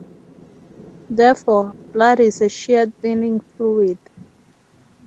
Therefore, blood is a shear-thinning fluid.